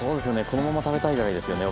このまま食べたいぐらいですよね